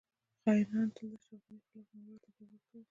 خاینانو تل د اشرف غنی خلاف ناوړه تبلیغات کول